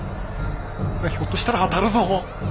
ひょっとしたら当たるぞ！